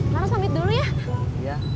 laras pamit dulu ya